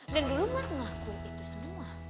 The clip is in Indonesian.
dan dulu mas melakukan itu semua